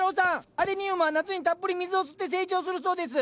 アデニウムは夏にたっぷり水を吸って成長するそうです！